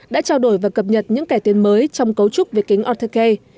đã trao đổi và cập nhật những kẻ tiến mới trong cấu trúc về kính autocay